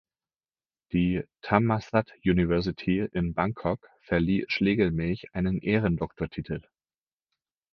Die Thammasat University in Bangkok verlieh Schlegelmilch einen Ehrendoktortitel.